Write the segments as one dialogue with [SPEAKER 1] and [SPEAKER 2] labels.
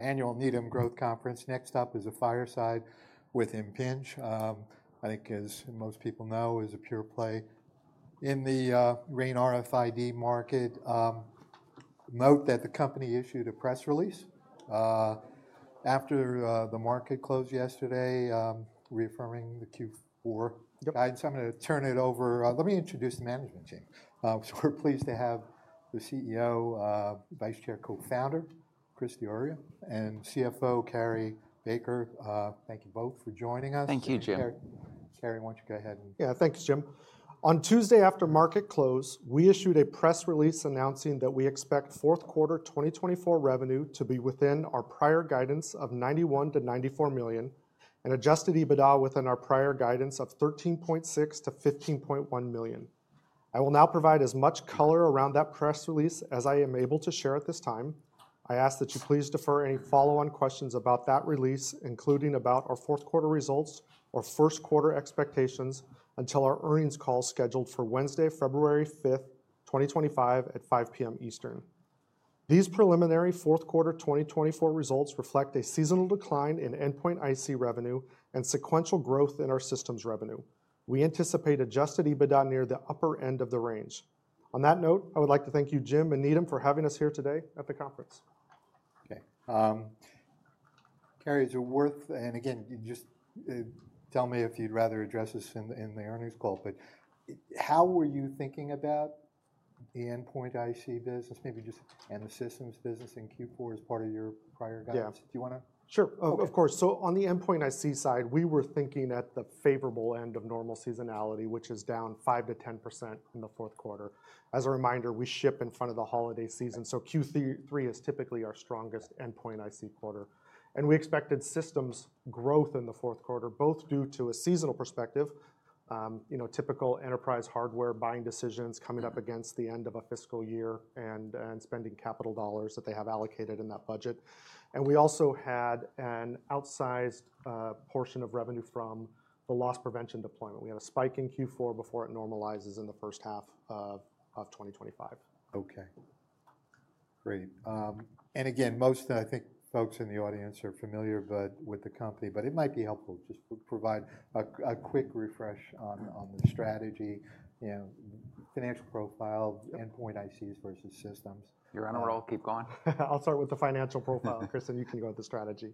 [SPEAKER 1] Annual Needham Growth Conference. Next up is a fireside with Impinj, I think, as most people know, is a pure play in the RAIN RFID market. Note that the company issued a press release after the market closed yesterday, reaffirming the Q4 guidance. I'm going to turn it over. Let me introduce the management team. We're pleased to have the CEO, Vice Chair, Co-Founder, Chris Diorio, and CFO, Cary Baker. Thank you both for joining us.
[SPEAKER 2] Thank you, Jim.
[SPEAKER 1] Cary, why don't you go ahead and.
[SPEAKER 3] Yeah, thanks, Jim. On Tuesday, after market close, we issued a press release announcing that we expect fourth quarter 2024 revenue to be within our prior guidance of $91-$94 million and adjusted EBITDA within our prior guidance of $13.6-$15.1 million. I will now provide as much color around that press release as I am able to share at this time. I ask that you please defer any follow-on questions about that release, including about our fourth quarter results or first quarter expectations, until our earnings call scheduled for Wednesday, February 5th, 2025 at 5:00 P.M. Eastern. These preliminary fourth quarter 2024 results reflect a seasonal decline in endpoint IC revenue and sequential growth in our systems revenue. We anticipate adjusted EBITDA near the upper end of the range. On that note, I would like to thank you, Jim and Needham, for having us here today at the conference.
[SPEAKER 1] Okay. Cary, is it worth, and again, just tell me if you'd rather address this in the earnings call, but how were you thinking about the endpoint IC business, maybe just, and the systems business in Q4 as part of your prior guidance? Do you want to.
[SPEAKER 3] Sure, of course. So on the endpoint IC side, we were thinking at the favorable end of normal seasonality, which is down 5%-10%, in the fourth quarter. As a reminder, we ship in front of the holiday season, so Q3 is typically our strongest endpoint IC quarter. And we expected systems growth in the fourth quarter, both due to a seasonal perspective, you know, typical enterprise hardware buying decisions coming up against the end of a fiscal year and spending capital dollars that they have allocated in that budget. And we also had an outsized portion of revenue from the loss prevention deployment. We had a spike in Q4 before it normalizes in the first half of 2025.
[SPEAKER 1] Okay. Great. And again, most, I think, folks in the audience are familiar with the company, but it might be helpful just to provide a quick refresh on the strategy, you know, financial profile, endpoint ICs versus systems.
[SPEAKER 2] You're on a roll. Keep going.
[SPEAKER 3] I'll start with the financial profile, Chris, and you can go with the strategy.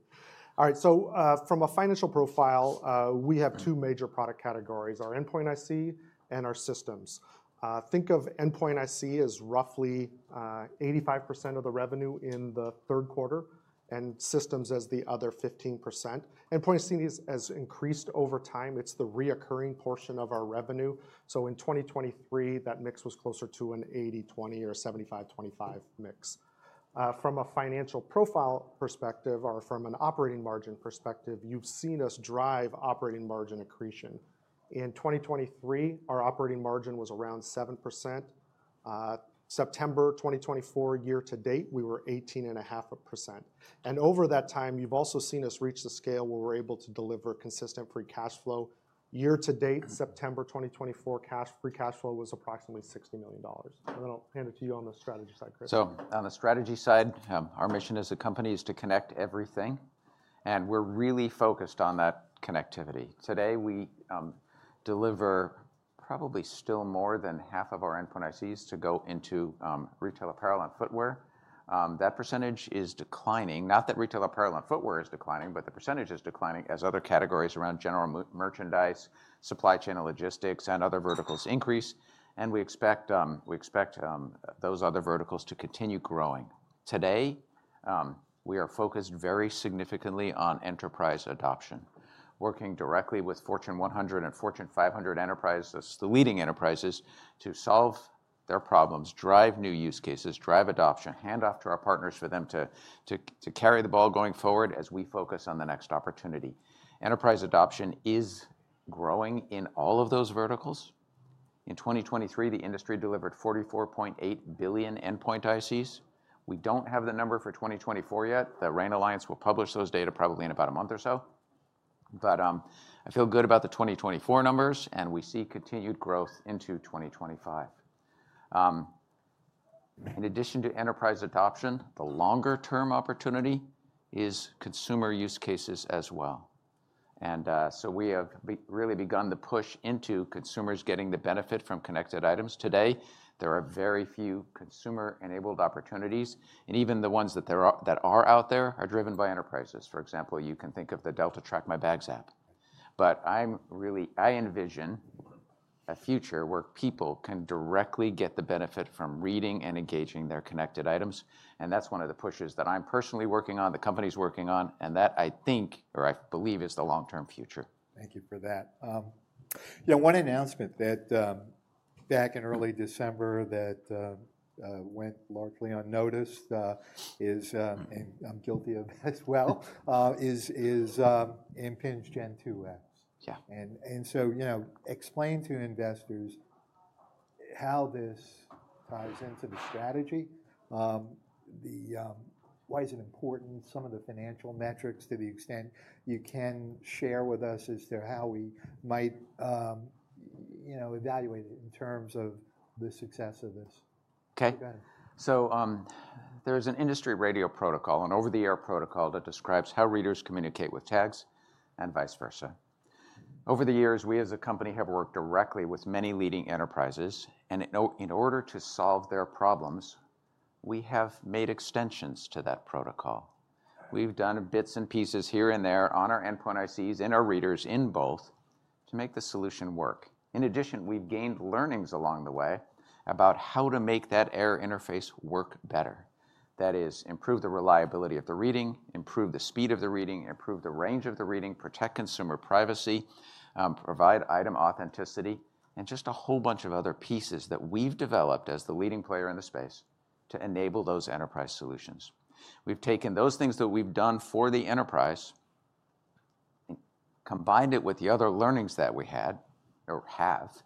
[SPEAKER 3] All right, so from a financial profile, we have two major product categories: our endpoint IC and our systems. Think of endpoint IC as roughly 85%, of the revenue in the third quarter and systems as the other 15%. Endpoint IC has increased over time. It's the recurring portion of our revenue. So in 2023, that mix was closer to an 80/20 or a 75/25 mix. From a financial profile perspective or from an operating margin perspective, you've seen us drive operating margin accretion. In 2023, our operating margin was around 7%. September 2024, year to date, we were 18.5%, and over that time, you've also seen us reach the scale where we're able to deliver consistent free cash flow. Year to date, September 2024, free cash flow was approximately $60 million. And then I'll hand it to you on the strategy side, Chris.
[SPEAKER 2] So on the strategy side, our mission as a company is to connect everything, and we're really focused on that connectivity. Today, we deliver probably still more than half of our endpoint ICs to go into retail apparel and footwear. That percentage is declining. Not that retail apparel and footwear is declining, but the percentage is declining as other categories around general merchandise, supply chain and logistics, and other verticals increase. And we expect those other verticals to continue growing. Today, we are focused very significantly on enterprise adoption, working directly with Fortune 100 and Fortune 500 enterprises, the leading enterprises, to solve their problems, drive new use cases, drive adoption, hand off to our partners for them to carry the ball going forward as we focus on the next opportunity. Enterprise adoption is growing in all of those verticals. In 2023, the industry delivered 44.8 billion endpoint ICs. We don't have the number for 2024 yet. The RAIN Alliance will publish those data probably in about a month or so. But I feel good about the 2024 numbers, and we see continued growth into 2025. In addition to enterprise adoption, the longer-term opportunity is consumer use cases as well. And so we have really begun the push into consumers getting the benefit from connected items. Today, there are very few consumer-enabled opportunities, and even the ones that are out there are driven by enterprises. For example, you can think of the Delta Track My Bags app. But I envision a future where people can directly get the benefit from reading and engaging their connected items. And that's one of the pushes that I'm personally working on, the company's working on, and that I think, or I believe, is the long-term future.
[SPEAKER 1] Thank you for that. You know, one announcement that back in early December that went largely unnoticed is, and I'm guilty of as well, is Impinj Gen2X.
[SPEAKER 2] Yeah.
[SPEAKER 1] And so, you know, explain to investors how this ties into the strategy, why is it important, some of the financial metrics to the extent you can share with us as to how we might, you know, evaluate it in terms of the success of this.
[SPEAKER 2] Okay, so there's an industry radio protocol and over-the-air protocol that describes how readers communicate with tags and vice versa. Over the years, we as a company have worked directly with many leading enterprises, and in order to solve their problems, we have made extensions to that protocol. We've done bits and pieces here and there on our endpoint ICs, in our readers, in both, to make the solution work. In addition, we've gained learnings along the way about how to make that air interface work better. That is, improve the reliability of the reading, improve the speed of the reading, improve the range of the reading, protect consumer privacy, provide item authenticity, and just a whole bunch of other pieces that we've developed as the leading player in the space to enable those enterprise solutions. We've taken those things that we've done for the enterprise, combined it with the other learnings that we had or have,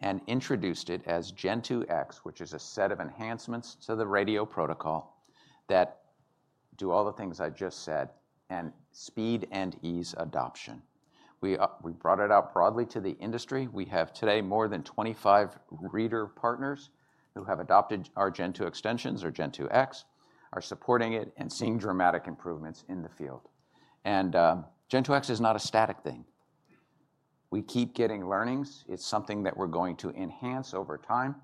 [SPEAKER 2] and introduced it as Gen2X, which is a set of enhancements to the radio protocol that do all the things I just said and speed and ease adoption. We brought it out broadly to the industry. We have today more than 25 reader partners who have adopted our Gen2 extensions or Gen2X, are supporting it and seeing dramatic improvements in the field, and Gen2X is not a static thing. We keep getting learnings. It's something that we're going to enhance over time.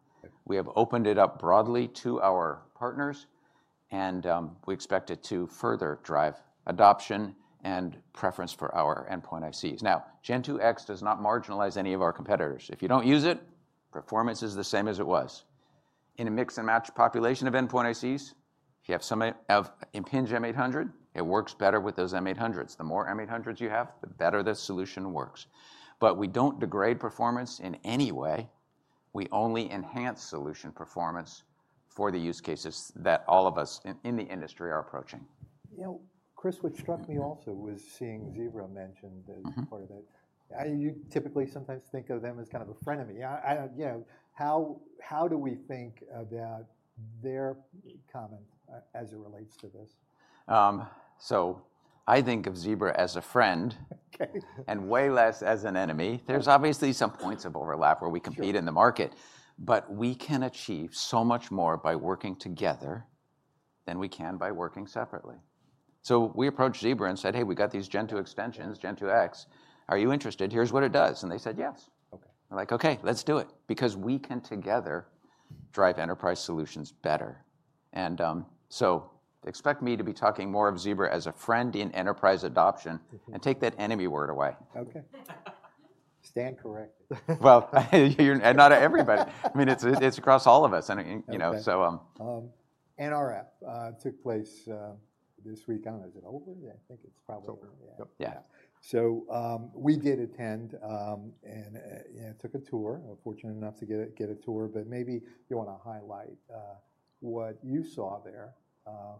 [SPEAKER 2] We have opened it up broadly to our partners, and we expect it to further drive adoption and preference for our endpoint ICs. Now, Gen2X does not marginalize any of our competitors. If you don't use it, performance is the same as it was. In a mix-and-match population of endpoint ICs, if you have some of Impinj M800, it works better with those M800s. The more M800s you have, the better the solution works. But we don't degrade performance in any way. We only enhance solution performance for the use cases that all of us in the industry are approaching.
[SPEAKER 1] You know, Chris, what struck me also was seeing Zebra mentioned as part of that. You typically sometimes think of them as kind of a frenemy. You know, how do we think about their comment as it relates to this?
[SPEAKER 2] So I think of Zebra as a friend and way less as an enemy. There's obviously some points of overlap where we compete in the market, but we can achieve so much more by working together than we can by working separately. So we approached Zebra and said, "Hey, we got these Gen2 extensions, Gen2X. Are you interested? Here's what it does." And they said, "Yes.
[SPEAKER 1] Okay.
[SPEAKER 2] We're like, "Okay, let's do it," because we can together drive enterprise solutions better. And so expect me to be talking more of Zebra as a friend in enterprise adoption and take that enemy word away.
[SPEAKER 1] Okay. Stand corrected.
[SPEAKER 2] Not everybody. I mean, it's across all of us, you know, so.
[SPEAKER 1] The NRF took place this week. Is it over? I think it's probably over.
[SPEAKER 2] Yeah.
[SPEAKER 1] We did attend and took a tour. Fortunate enough to get a tour, but maybe you want to highlight what you saw there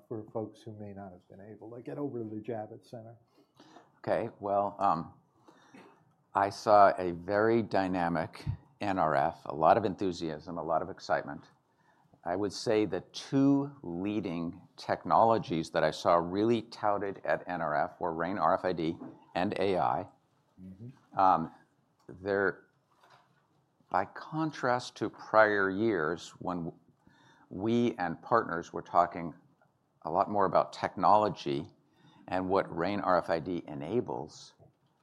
[SPEAKER 1] for folks who may not have been able to get over to the Javits Center.
[SPEAKER 2] Okay. Well, I saw a very dynamic NRF, a lot of enthusiasm, a lot of excitement. I would say the two leading technologies that I saw really touted at NRF were RAIN RFID and AI. By contrast to prior years when we and partners were talking a lot more about technology and what RAIN RFID enables,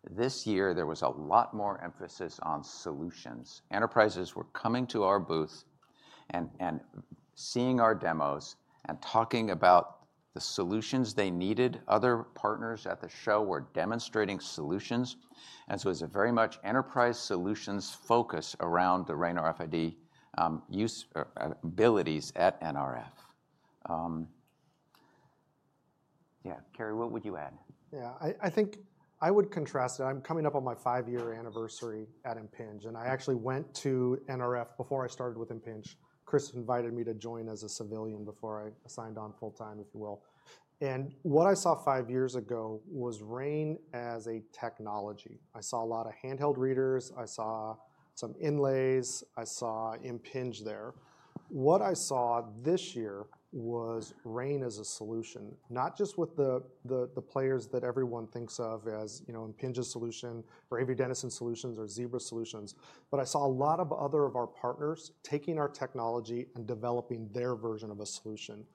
[SPEAKER 2] this year there was a lot more emphasis on solutions. Enterprises were coming to our booth and seeing our demos and talking about the solutions they needed. Other partners at the show were demonstrating solutions. And so it was a very much enterprise solutions focus around the RAIN RFID usabilities at NRF. Yeah, Cary, what would you add?
[SPEAKER 3] Yeah, I think I would contrast it. I'm coming up on my five-year anniversary at Impinj, and I actually went to NRF before I started with Impinj. Chris invited me to join as a civilian before I signed on full-time, if you will, and what I saw five years ago was RAIN as a technology. I saw a lot of handheld readers. I saw some inlays. I saw Impinj there. What I saw this year was RAIN as a solution, not just with the players that everyone thinks of as, you know, Impinj's solution, or Avery Dennison's solutions, or Zebra's solutions, but I saw a lot of other of our partners taking our technology and developing their version of a solution.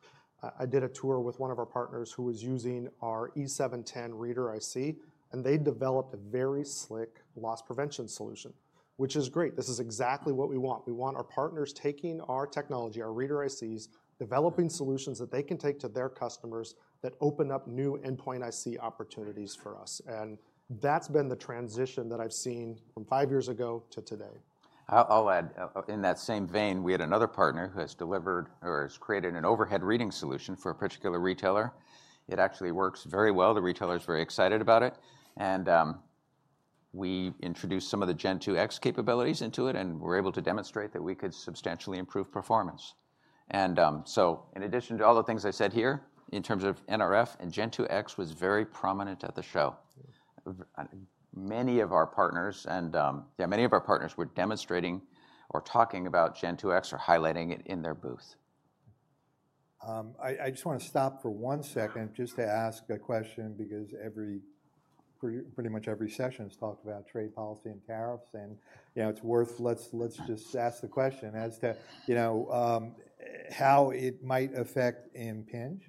[SPEAKER 3] I did a tour with one of our partners who was using our E710 reader IC, and they developed a very slick loss prevention solution, which is great. This is exactly what we want. We want our partners taking our technology, our reader ICs, developing solutions that they can take to their customers that open up new endpoint IC opportunities for us. And that's been the transition that I've seen from five years ago to today.
[SPEAKER 2] I'll add, in that same vein, we had another partner who has delivered or has created an overhead reading solution for a particular retailer. It actually works very well. The retailer is very excited about it. And we introduced some of the Gen2X capabilities into it, and we were able to demonstrate that we could substantially improve performance. And so in addition to all the things I said here, in terms of NRF and Gen2X was very prominent at the show. Many of our partners, and yeah, many of our partners were demonstrating or talking about Gen2X or highlighting it in their booth.
[SPEAKER 1] I just want to stop for one second just to ask a question because pretty much every session has talked about trade policy and tariffs. And, you know, it's worth, let's just ask the question as to, you know, how it might affect Impinj.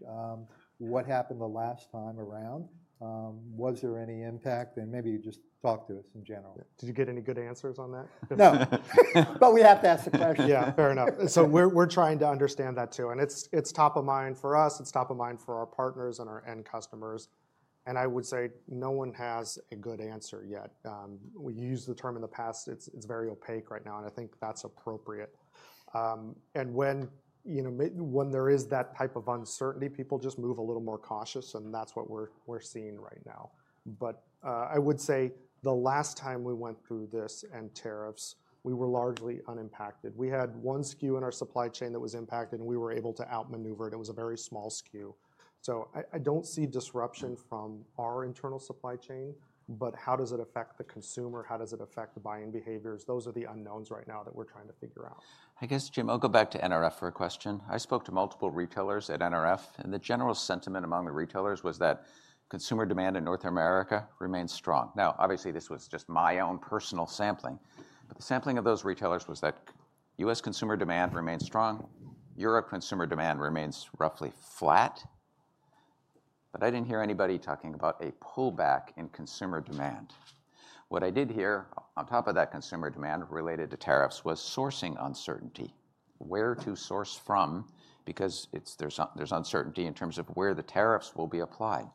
[SPEAKER 1] What happened the last time around? Was there any impact? And maybe you just talk to us in general.
[SPEAKER 3] Did you get any good answers on that?
[SPEAKER 1] No. But we have to ask the question.
[SPEAKER 3] Yeah, fair enough. So we're trying to understand that too. And it's top of mind for us. It's top of mind for our partners and our end customers. And I would say no one has a good answer yet. We used the term in the past. It's very opaque right now, and I think that's appropriate. And when there is that type of uncertainty, people just move a little more cautious, and that's what we're seeing right now. But I would say the last time we went through this and tariffs, we were largely unimpacted. We had one SKU in our supply chain that was impacted, and we were able to outmaneuver it. It was a very small SKU. So I don't see disruption from our internal supply chain, but how does it affect the consumer? How does it affect buying behaviors? Those are the unknowns right now that we're trying to figure out.
[SPEAKER 2] I guess, Jim, I'll go back to NRF for a question. I spoke to multiple retailers at NRF, and the general sentiment among the retailers was that consumer demand in North America remained strong. Now, obviously, this was just my own personal sampling, but the sampling of those retailers was that U.S. consumer demand remained strong. Europe consumer demand remains roughly flat. But I didn't hear anybody talking about a pullback in consumer demand. What I did hear on top of that consumer demand related to tariffs was sourcing uncertainty, where to source from, because there's uncertainty in terms of where the tariffs will be applied.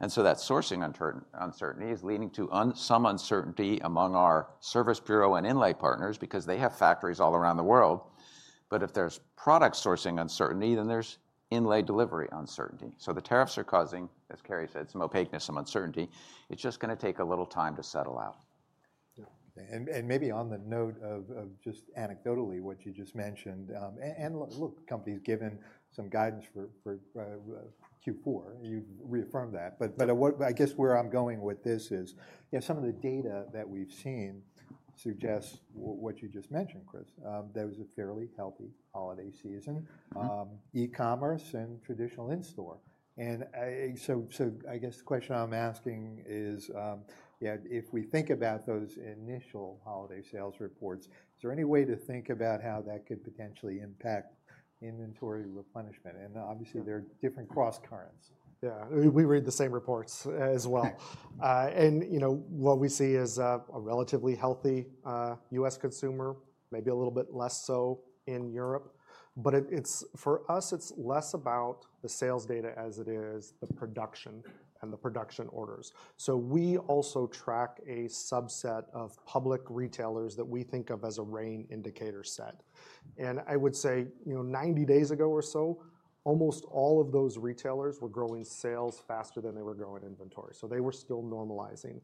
[SPEAKER 2] And so that sourcing uncertainty is leading to some uncertainty among our service bureau and inlay partners because they have factories all around the world. But if there's product sourcing uncertainty, then there's inlay delivery uncertainty. The tariffs are causing, as Cary said, some opaqueness, some uncertainty. It's just going to take a little time to settle out.
[SPEAKER 1] And maybe on the note of just anecdotally what you just mentioned, and look, companies given some guidance for Q4, you've reaffirmed that. But I guess where I'm going with this is, you know, some of the data that we've seen suggests what you just mentioned, Chris, there was a fairly healthy holiday season, e-commerce and traditional in-store. And so I guess the question I'm asking is, yeah, if we think about those initial holiday sales reports, is there any way to think about how that could potentially impact inventory replenishment? And obviously, there are different cross-currents.
[SPEAKER 3] Yeah, we read the same reports as well. And, you know, what we see is a relatively healthy U.S. consumer, maybe a little bit less so in Europe. But for us, it's less about the sales data as it is the production and the production orders. So we also track a subset of public retailers that we think of as a RAIN indicator set. And I would say, you know, 90 days ago or so, almost all of those retailers were growing sales faster than they were growing inventory. So they were still normalizing.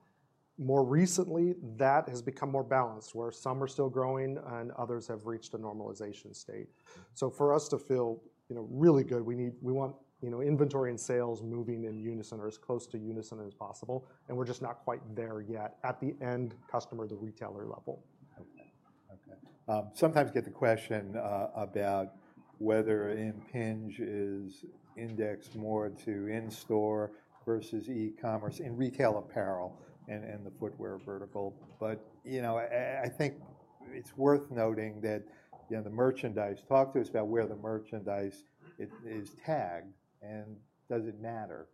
[SPEAKER 3] More recently, that has become more balanced where some are still growing and others have reached a normalization state. So for us to feel, you know, really good, we want, you know, inventory and sales moving in unison or as close to unison as possible. We're just not quite there yet at the end customer, the retailer level.
[SPEAKER 1] Sometimes get the question about whether Impinj is indexed more to in-store versus e-commerce in retail apparel and the footwear vertical. But, you know, I think it's worth noting that, you know, the merchandise. Talk to us about where the merchandise is tagged and does it matter.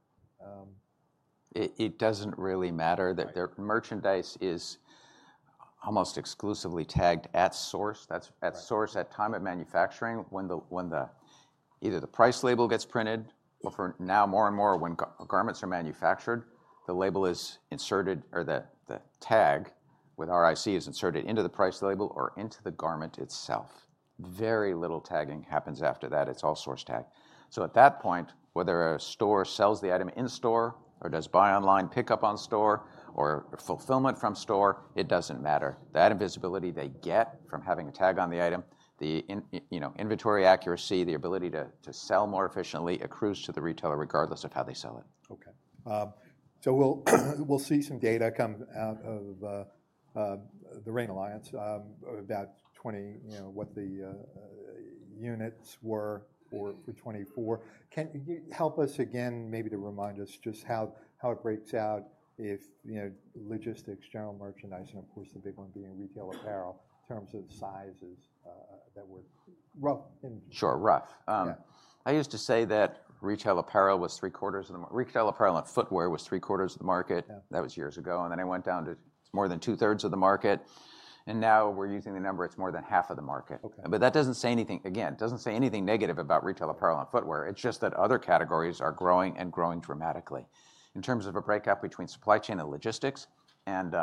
[SPEAKER 2] It doesn't really matter that their merchandise is almost exclusively tagged at source, that's at source at time of manufacturing when either the price label gets printed or for now more and more when garments are manufactured, the label is inserted or the tag with RFID is inserted into the price label or into the garment itself. Very little tagging happens after that. It's all source tag. So at that point, whether a store sells the item in-store or does buy online, pick up in store or fulfillment from store, it doesn't matter. That invisibility they get from having a tag on the item, the, you know, inventory accuracy, the ability to sell more efficiently accrues to the retailer regardless of how they sell it.
[SPEAKER 1] Okay. So we'll see some data come out of the RAIN Alliance about 20, you know, what the units were for 2024. Can you help us again, maybe to remind us just how it breaks out if, you know, logistics, general merchandise, and of course the big one being retail apparel in terms of sizes that were rough.
[SPEAKER 2] Sure enough. I used to say that retail apparel was three quarters of the market. Retail apparel and footwear was three quarters of the market. That was years ago. And then it went down to it's more than two thirds of the market. And now we're using the number, it's more than half of the market. But that doesn't say anything, again, it doesn't say anything negative about retail apparel and footwear. It's just that other categories are growing and growing dramatically. In terms of a breakout between supply chain and logistics and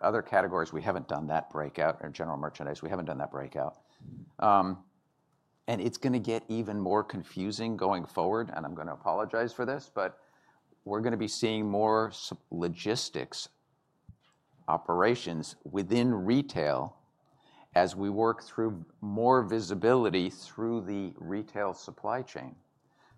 [SPEAKER 2] other categories, we haven't done that breakout or general merchandise, we haven't done that breakout. And it's going to get even more confusing going forward. And I'm going to apologize for this, but we're going to be seeing more logistics operations within retail as we work through more visibility through the retail supply chain.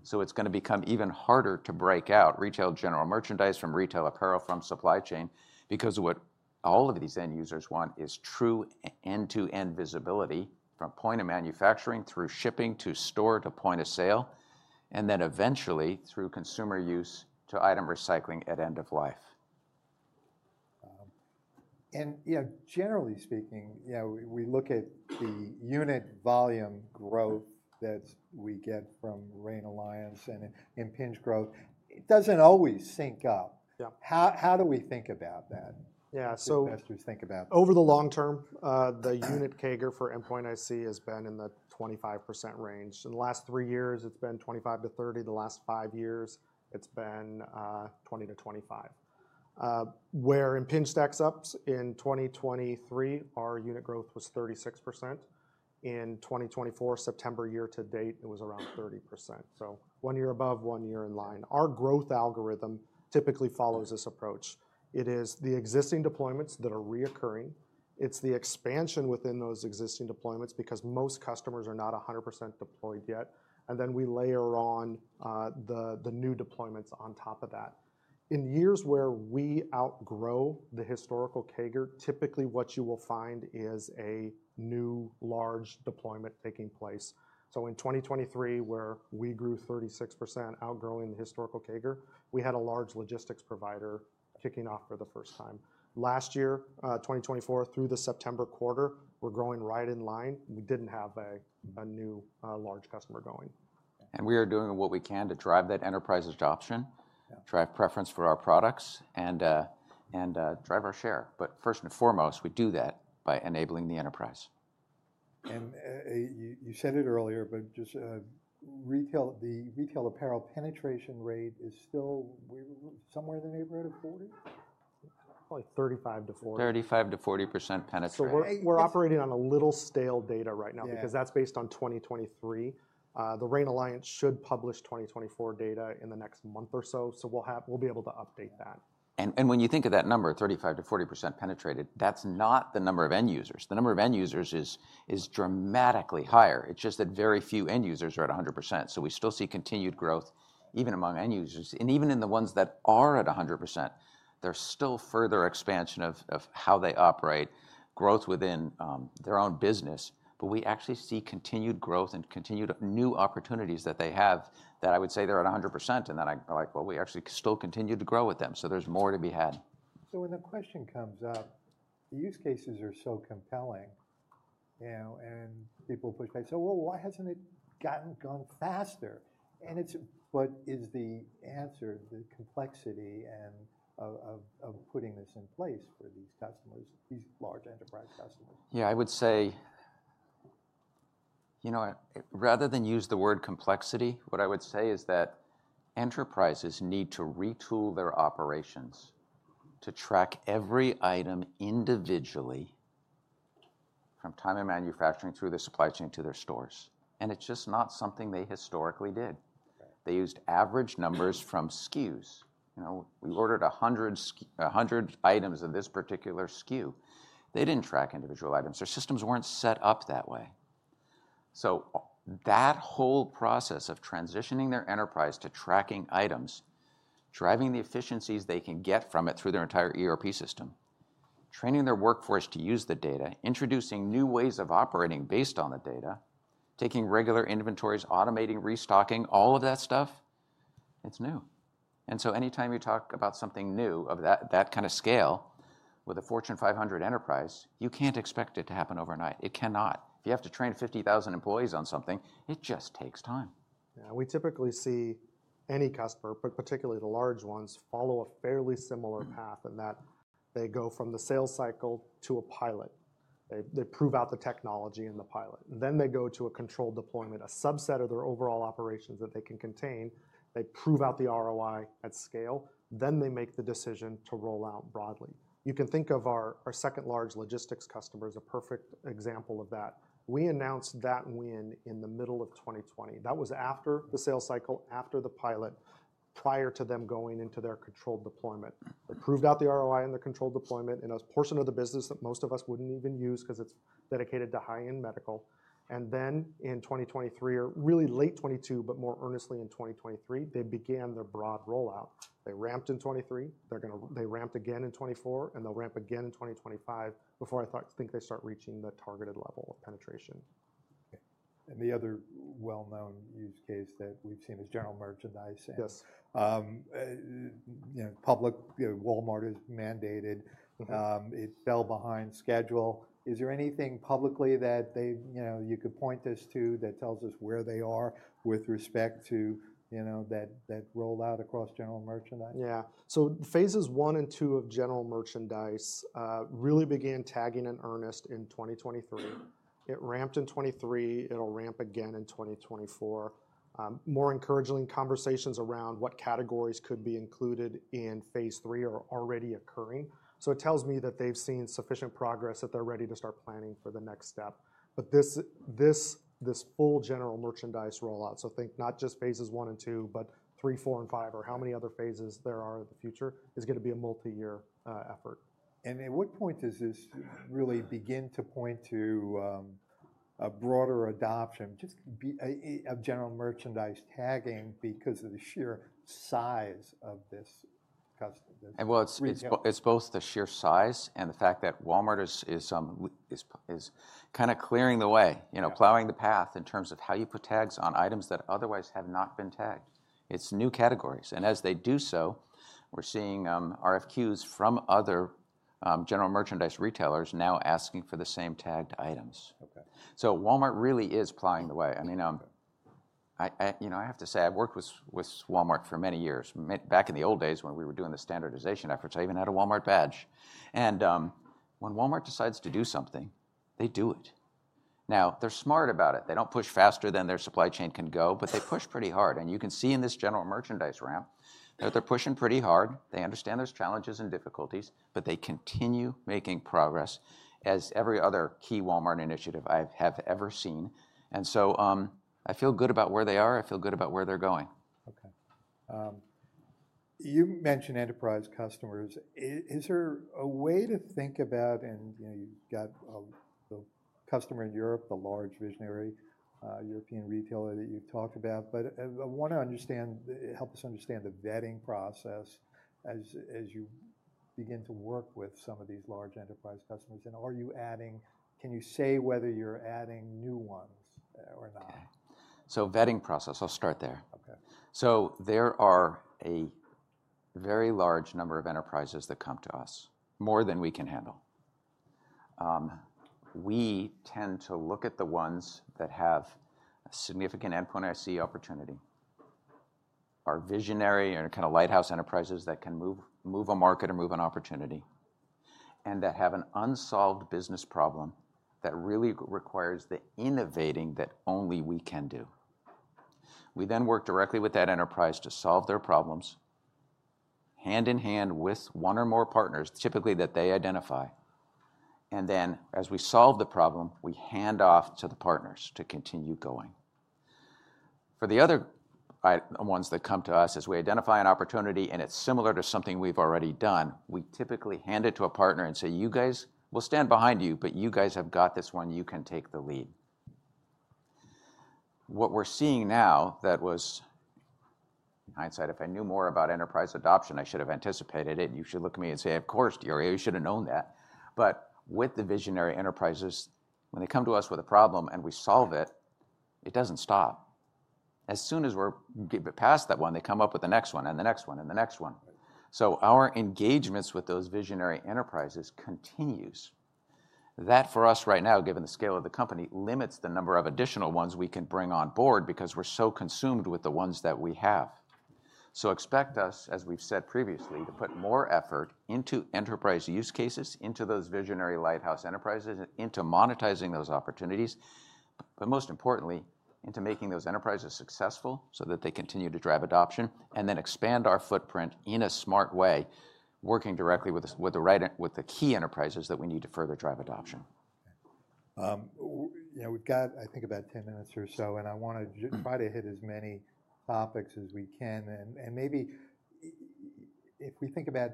[SPEAKER 2] So it's going to become even harder to break out retail general merchandise from retail apparel from supply chain because what all of these end users want is true end-to-end visibility from point of manufacturing through shipping to store to point of sale, and then eventually through consumer use to item recycling at end of life.
[SPEAKER 1] You know, generally speaking, you know, we look at the unit volume growth that we get from RAIN Alliance and Impinj growth. It doesn't always sync up. How do we think about that?
[SPEAKER 3] Yeah, so.
[SPEAKER 1] Investors think about.
[SPEAKER 3] Over the long term, the unit CAGR for endpoint IC has been in the 25% range. In the last three years, it's been 25%-30%. The last five years, it's been 20%-25%. Where Impinj stacks up in 2023, our unit growth was 36%. In 2024, September year to date, it was around 30%. So one year above, one year in line. Our growth algorithm typically follows this approach. It is the existing deployments that are recurring. It's the expansion within those existing deployments because most customers are not 100% deployed yet. And then we layer on the new deployments on top of that. In years where we outgrow the historical CAGR, typically what you will find is a new large deployment taking place. So in 2023, where we grew 36%, outgrowing the historical CAGR, we had a large logistics provider kicking off for the first time. Last year, 2024, through the September quarter, we're growing right in line. We didn't have a new large customer going.
[SPEAKER 2] We are doing what we can to drive that enterprise adoption, drive preference for our products, and drive our share. First and foremost, we do that by enabling the enterprise.
[SPEAKER 1] You said it earlier, but just the retail apparel penetration rate is still somewhere in the neighborhood of 40%?
[SPEAKER 3] Probably 35 to 40.
[SPEAKER 2] 35%-40% penetrate.
[SPEAKER 3] So we're operating on a little stale data right now because that's based on 2023. The RAIN Alliance should publish 2024 data in the next month or so. So we'll be able to update that.
[SPEAKER 2] And when you think of that number, 35%-40% penetrated, that's not the number of end users. The number of end users is dramatically higher. It's just that very few end users are at 100%. So we still see continued growth even among end users. And even in the ones that are at 100%, there's still further expansion of how they operate, growth within their own business. But we actually see continued growth and continued new opportunities that they have that I would say they're at 100%. And then I'm like, well, we actually still continue to grow with them. So there's more to be had.
[SPEAKER 1] So when the question comes up, the use cases are so compelling, you know, and people push back. So, well, why hasn't it gone faster? And it's. But is the answer the complexity of putting this in place for these customers, these large enterprise customers?
[SPEAKER 2] Yeah, I would say, you know, rather than use the word complexity, what I would say is that enterprises need to retool their operations to track every item individually from time of manufacturing through the supply chain to their stores. And it's just not something they historically did. They used average numbers from SKUs. You know, we ordered 100 items of this particular SKU. They didn't track individual items. Their systems weren't set up that way. So that whole process of transitioning their enterprise to tracking items, driving the efficiencies they can get from it through their entire ERP system, training their workforce to use the data, introducing new ways of operating based on the data, taking regular inventories, automating restocking, all of that stuff, it's new. And so anytime you talk about something new of that kind of scale with a Fortune 500 enterprise, you can't expect it to happen overnight. It cannot. If you have to train 50,000 employees on something, it just takes time.
[SPEAKER 3] Yeah, we typically see any customer, but particularly the large ones, follow a fairly similar path in that they go from the sales cycle to a pilot. They prove out the technology in the pilot. Then they go to a controlled deployment, a subset of their overall operations that they can contain. They prove out the ROI at scale. Then they make the decision to roll out broadly. You can think of our second large logistics customer as a perfect example of that. We announced that win in the middle of 2020. That was after the sales cycle, after the pilot, prior to them going into their controlled deployment. They proved out the ROI in the controlled deployment and a portion of the business that most of us wouldn't even use because it's dedicated to high-end medical. And then in 2023 or really late 2022, but more earnestly in 2023, they began their broad rollout. They ramped in 2023. They're going to ramp again in 2024 and they'll ramp again in 2025 before I think they start reaching the targeted level of penetration.
[SPEAKER 1] The other well-known use case that we've seen is general merchandise.
[SPEAKER 3] Yes.
[SPEAKER 1] You know, publicly, Walmart is mandated. It fell behind schedule. Is there anything publicly that they, you know, you could point us to that tells us where they are with respect to, you know, that rollout across general merchandise?
[SPEAKER 3] Yeah, so phases I and II of general merchandise really began tagging in earnest in 2023. It ramped in 2023. It'll ramp again in 2024. More encouraging conversations around what categories could be included in phase three are already occurring, so it tells me that they've seen sufficient progress that they're ready to start planning for the next step, but this full general merchandise rollout, so I think not just phases I and II, but three, four, and five or how many other phases there are in the future is going to be a multi-year effort.
[SPEAKER 1] At what point does this really begin to point to a broader adoption just of general merchandise tagging because of the sheer size of this?
[SPEAKER 2] And well, it's both the sheer size and the fact that Walmart is kind of clearing the way, you know, plowing the path in terms of how you put tags on items that otherwise have not been tagged. It's new categories. And as they do so, we're seeing RFQs from other general merchandise retailers now asking for the same tagged items. So Walmart really is plowing the way. I mean, you know, I have to say I've worked with Walmart for many years. Back in the old days when we were doing the standardization efforts, I even had a Walmart badge. And when Walmart decides to do something, they do it. Now, they're smart about it. They don't push faster than their supply chain can go, but they push pretty hard. And you can see in this general merchandise ramp that they're pushing pretty hard. They understand there's challenges and difficulties, but they continue making progress as every other key Walmart initiative I have ever seen. And so I feel good about where they are. I feel good about where they're going.
[SPEAKER 1] Okay. You mentioned enterprise customers. Is there a way to think about, and you know, you've got the customer in Europe, the large visionary European retailer that you've talked about, but I want to understand, help us understand the vetting process as you begin to work with some of these large enterprise customers? And are you adding, can you say whether you're adding new ones or not?
[SPEAKER 2] Vetting process, I'll start there. There are a very large number of enterprises that come to us, more than we can handle. We tend to look at the ones that have significant endpoint IC opportunity, are visionary and kind of lighthouse enterprises that can move a market or move an opportunity and that have an unsolved business problem that really requires the innovating that only we can do. We then work directly with that enterprise to solve their problems hand in hand with one or more partners typically that they identify. Then as we solve the problem, we hand off to the partners to continue going. For the other ones that come to us, as we identify an opportunity and it's similar to something we've already done, we typically hand it to a partner and say, "You guys, we'll stand behind you, but you guys have got this one. You can take the lead." What we're seeing now that was, in hindsight, if I knew more about enterprise adoption, I should have anticipated it. You should look at me and say, "Of course, Diorio, you should have known that." But with the visionary enterprises, when they come to us with a problem and we solve it, it doesn't stop. As soon as we're past that one, they come up with the next one and the next one and the next one. So our engagements with those visionary enterprises continues. That for us right now, given the scale of the company, limits the number of additional ones we can bring on board because we're so consumed with the ones that we have, so expect us, as we've said previously, to put more effort into enterprise use cases, into those visionary lighthouse enterprises, into monetizing those opportunities, but most importantly, into making those enterprises successful so that they continue to drive adoption and then expand our footprint in a smart way, working directly with the key enterprises that we need to further drive adoption.
[SPEAKER 1] You know, we've got, I think, about 10 minutes or so, and I want to try to hit as many topics as we can. And maybe if we think about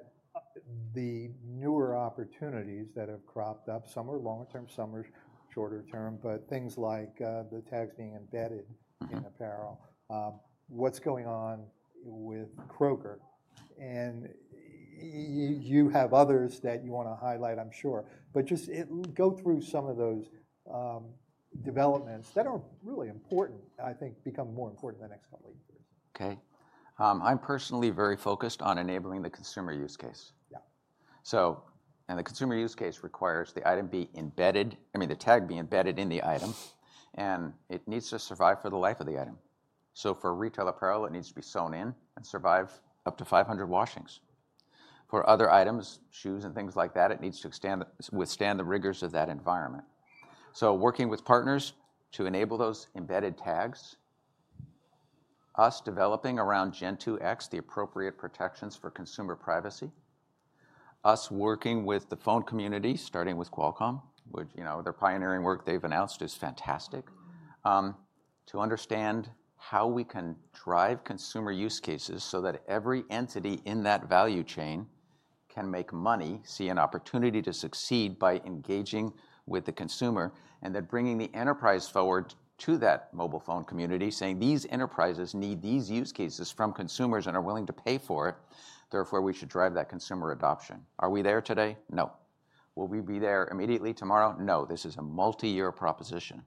[SPEAKER 1] the newer opportunities that have cropped up, some are long-term, some are shorter-term, but things like the tags being embedded in apparel, what's going on with Kroger? And you have others that you want to highlight, I'm sure, but just go through some of those developments that are really important, I think become more important in the next couple of years.
[SPEAKER 2] Okay, I'm personally very focused on enabling the consumer use case. Yeah, so and the consumer use case requires the item be embedded, I mean, the tag be embedded in the item, and it needs to survive for the life of the item, so for retail apparel, it needs to be sewn in and survive up to 500 washings. For other items, shoes and things like that, it needs to withstand the rigors of that environment. So working with partners to enable those embedded tags, us developing around Gen2X, the appropriate protections for consumer privacy, us working with the phone community, starting with Qualcomm, which, you know, their pioneering work they've announced is fantastic, to understand how we can drive consumer use cases so that every entity in that value chain can make money, see an opportunity to succeed by engaging with the consumer, and that bringing the enterprise forward to that mobile phone community, saying these enterprises need these use cases from consumers and are willing to pay for it. Therefore, we should drive that consumer adoption. Are we there today? No. Will we be there immediately tomorrow? No. This is a multi-year proposition.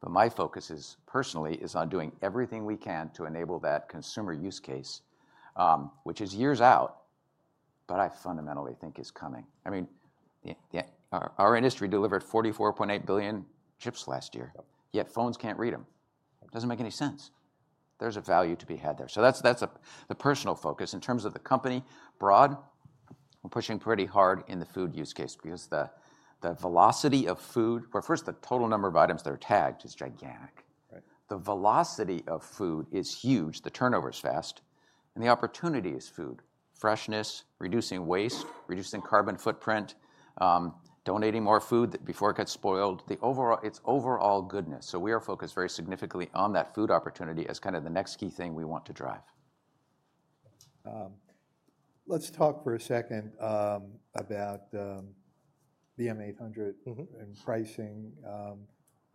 [SPEAKER 2] But my focus personally is on doing everything we can to enable that consumer use case, which is years out, but I fundamentally think is coming. I mean, our industry delivered 44.8 billion chips last year. Yet phones can't read them. It doesn't make any sense. There's a value to be had there. So that's the personal focus. In terms of the company broadly, we're pushing pretty hard in the food use case because the velocity of food. First, the total number of items that are tagged is gigantic. The velocity of food is huge. The turnover is fast. And the opportunity is food freshness, reducing waste, reducing carbon footprint, donating more food before it gets spoiled, its overall goodness. So we are focused very significantly on that food opportunity as kind of the next key thing we want to drive.
[SPEAKER 1] Let's talk for a second about the M800 and pricing.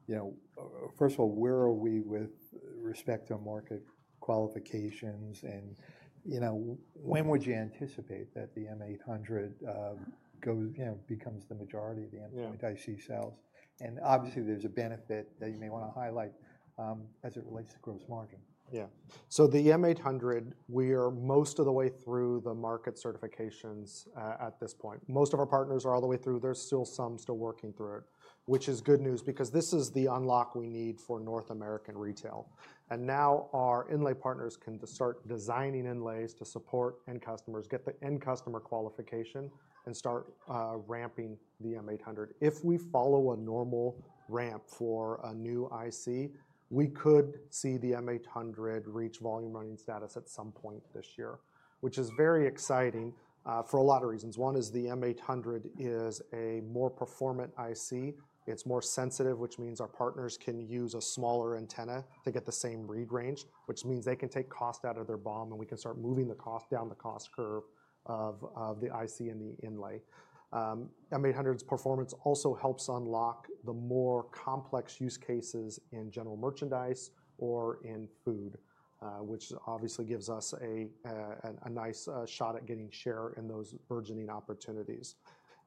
[SPEAKER 1] You know, first of all, where are we with respect to market qualifications? And, you know, when would you anticipate that the M800 becomes the majority of the endpoint IC sales? And obviously, there's a benefit that you may want to highlight as it relates to gross margin.
[SPEAKER 3] Yeah. So the M800, we are most of the way through the market certifications at this point. Most of our partners are all the way through. There's still some working through it, which is good news because this is the unlock we need for North American retail. And now our inlay partners can start designing inlays to support end customers, get the end customer qualification, and start ramping the M800. If we follow a normal ramp for a new IC, we could see the M800 reach volume running status at some point this year, which is very exciting for a lot of reasons. One is the M800 is a more performant IC. It's more sensitive, which means our partners can use a smaller antenna to get the same read range, which means they can take cost out of their BOM and we can start moving the cost down the cost curve of the IC and the inlay. M800's performance also helps unlock the more complex use cases in general merchandise or in food, which obviously gives us a nice shot at getting share in those burgeoning opportunities.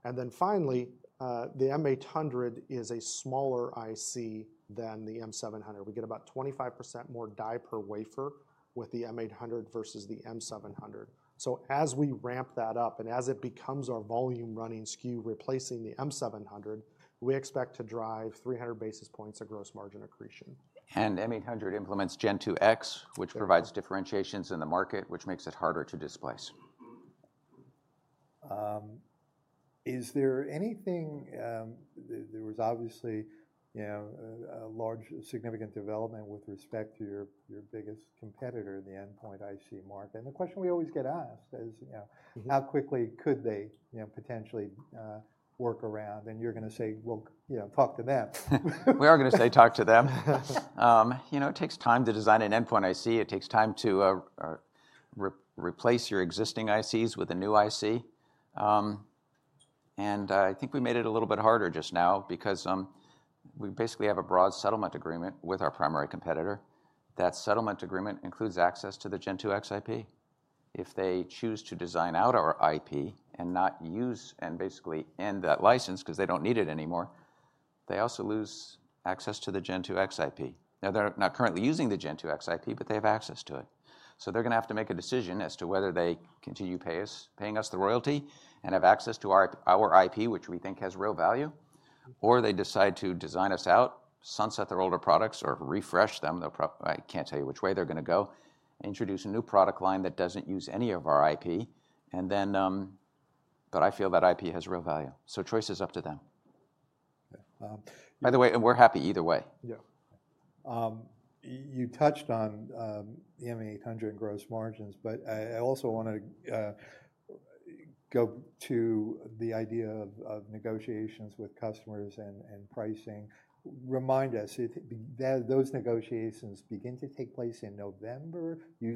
[SPEAKER 3] And then finally, the M800 is a smaller IC than the M700. We get about 25%, more die per wafer with the M800 versus the M700. So as we ramp that up and as it becomes our volume running SKU replacing the M700, we expect to drive 300 basis points of gross margin accretion.
[SPEAKER 2] M800 implements Gen2X, which provides differentiations in the market, which makes it harder to displace.
[SPEAKER 1] Is there anything? There was obviously, you know, a large significant development with respect to your biggest competitor, the endpoint IC market. And the question we always get asked is, you know, how quickly could they potentially work around? And you're going to say, well, you know, talk to them.
[SPEAKER 2] We are going to say talk to them. You know, it takes time to design an endpoint IC. It takes time to replace your existing ICs with a new IC. And I think we made it a little bit harder just now because we basically have a broad settlement agreement with our primary competitor. That settlement agreement includes access to the Gen2X IP. If they choose to design out our IP and not use and basically end that license because they don't need it anymore, they also lose access to the Gen2X IP. Now, they're not currently using the Gen2X IP, but they have access to it. So they're going to have to make a decision as to whether they continue paying us the royalty and have access to our IP, which we think has real value, or they decide to design us out, sunset their older products or refresh them. I can't tell you which way they're going to go, introduce a new product line that doesn't use any of our IP, and then, but I feel that IP has real value. So choice is up to them. By the way, and we're happy either way.
[SPEAKER 1] Yeah. You touched on the M800 and gross margins, but I also want to go to the idea of negotiations with customers and pricing. Remind us, those negotiations begin to take place in November?
[SPEAKER 3] Yeah,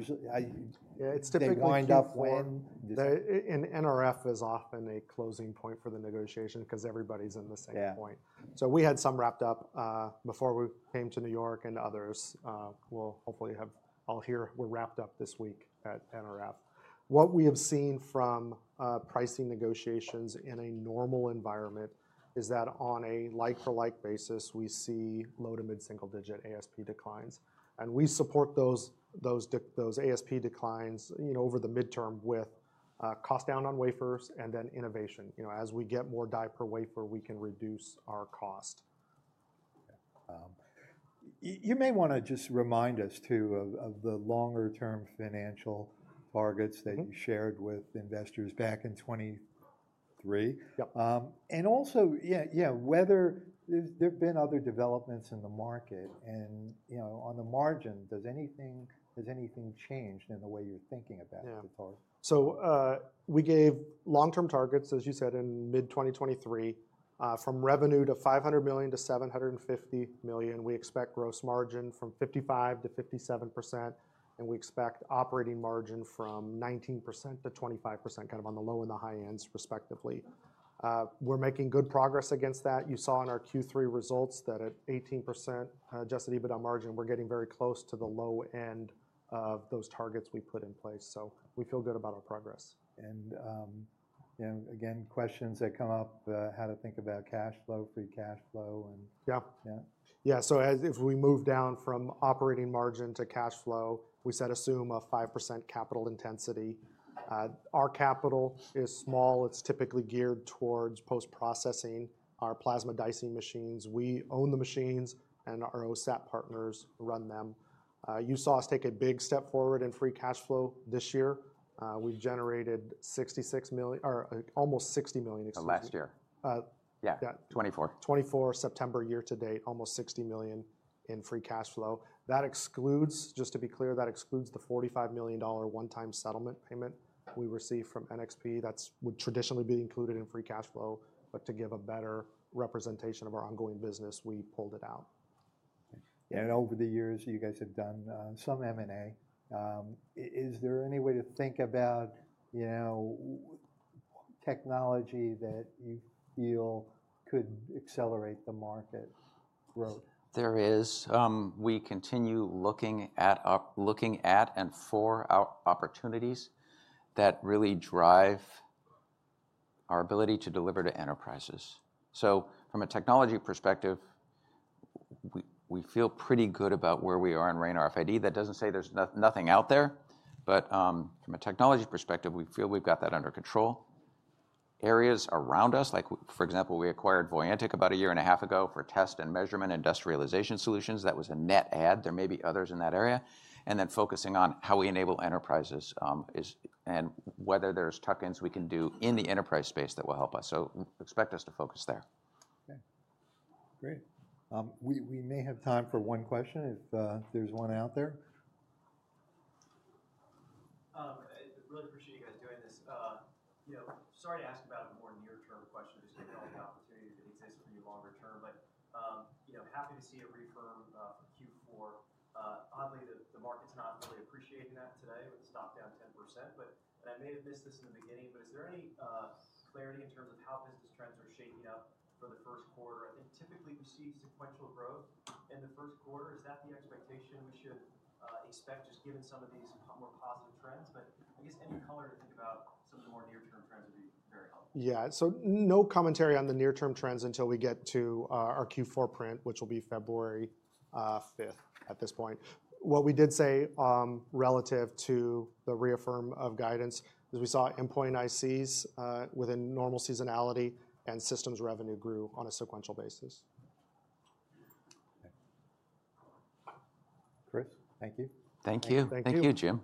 [SPEAKER 3] it's typically around.
[SPEAKER 1] Do they wind up when?
[SPEAKER 3] NRF is often a closing point for the negotiation because everybody's in the same place. So we had some wrapped up before we came to New York and others will hopefully have. I'll hear we're wrapped up this week at NRF. What we have seen from pricing negotiations in a normal environment is that on a like-for-like basis, we see low to mid-single-digit ASP declines. And we support those ASP declines, you know, over the midterm with cost down on wafers and then innovation. You know, as we get more die per wafer, we can reduce our cost.
[SPEAKER 1] You may want to just remind us too of the longer-term financial targets that you shared with investors back in 2023, and also, yeah, whether there have been other developments in the market and, you know, on the margin, does anything change in the way you're thinking about the targets?
[SPEAKER 3] Yeah. So we gave long-term targets, as you said, in mid-2023, from revenue to $500 million-$750 million. We expect gross margin from 55%-57%, and we expect operating margin from 19%-25%, kind of on the low and the high ends respectively. We're making good progress against that. You saw in our Q3 results that at 18%, adjusted EBITDA margin, we're getting very close to the low end of those targets we put in place. So we feel good about our progress.
[SPEAKER 1] You know, again, questions that come up, how to think about cash flow, free cash flow, and.
[SPEAKER 3] Yeah. Yeah. So as we move down from operating margin to cash flow, we set a sum of 5%, capital intensity. Our capital is small. It's typically geared towards post-processing. Our plasma dicing machines, we own the machines and our OSAT partners run them. You saw us take a big step forward in free cash flow this year. We've generated $66 million or almost $60 million excuse.
[SPEAKER 2] Last year. Yeah. 2024.
[SPEAKER 3] 24 September year to date, almost $60 million in free cash flow. That excludes, just to be clear, that excludes the $45 million one-time settlement payment we received from NXP. That would traditionally be included in free cash flow, but to give a better representation of our ongoing business, we pulled it out.
[SPEAKER 1] And over the years, you guys have done some M&A. Is there any way to think about, you know, technology that you feel could accelerate the market growth?
[SPEAKER 2] There is. We continue looking at and for our opportunities that really drive our ability to deliver to enterprises. So from a technology perspective, we feel pretty good about where we are in RAIN or RFID. That doesn't say there's nothing out there, but from a technology perspective, we feel we've got that under control. Areas around us, like for example, we acquired Voyantic about a year and a half ago for test and measurement industrialization solutions. That was a net ad. There may be others in that area. And then focusing on how we enable enterprises and whether there's tuck-ins we can do in the enterprise space that will help us. So expect us to focus there.
[SPEAKER 1] Okay. Great. We may have time for one question if there's one out there. I really appreciate you guys doing this. You know, sorry to ask about a more near-term question just given all the opportunities that exist for you longer term, but, you know, happy to see a reaffirm for Q4. Oddly, the market's not really appreciating that today with a stock down 10%, but I may have missed this in the beginning, but is there any clarity in terms of how business trends are shaking up for the first quarter? I think typically we see sequential growth in the first quarter. Is that the expectation we should expect just given some of these more positive trends, but I guess any color to think about some of the more near-term trends would be very helpful.
[SPEAKER 3] Yeah, so no commentary on the near-term trends until we get to our Q4 print, which will be February 5th at this point. What we did say relative to the re-affirm of guidance is we saw endpoint ICs within normal seasonality and systems revenue grew on a sequential basis.
[SPEAKER 1] Okay. Chris, thank you.
[SPEAKER 2] Thank you. Thank you, Jim.